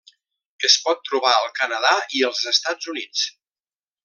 Es pot trobar al Canadà i els Estats Units.